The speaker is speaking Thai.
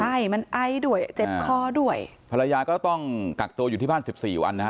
ใช่มันไอด้วยเจ็บคอด้วยภรรยาก็ต้องกักตัวอยู่ที่บ้านสิบสี่วันนะฮะ